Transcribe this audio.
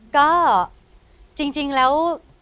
ก็จริงแล้ว